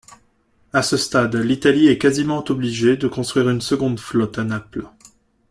À ce stade l'Italie est quasiment obligée de construire une seconde flotte à Naples.